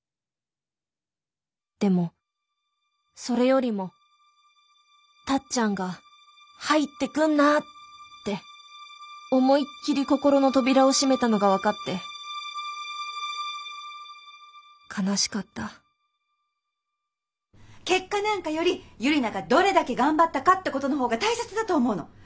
でもそれよりもタッちゃんが「入ってくんな！」って思いっきり心の扉を閉めたのが分かって悲しかった結果なんかよりユリナがどれだけ頑張ったかってことの方が大切だと思うの。